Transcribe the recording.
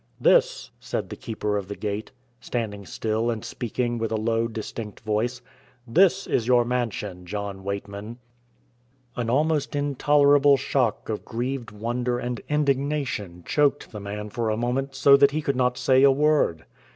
"This," said the Keeper of the Gate, standing still and speaking with a low, distinct voice "this is your mansion, John Weightman." An almost intolerable shock of grieved wonder and indignation choked the man for a moment so that he could not say a word.